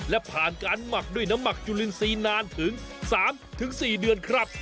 และผ่านการหมักด้วยน้ำหมักจุลินทรีย์นานถึง๓๔เดือนครับ